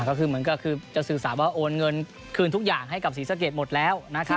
ก็คือเหมือนก็คือจะสื่อสารว่าโอนเงินคืนทุกอย่างให้กับศรีสะเกดหมดแล้วนะครับ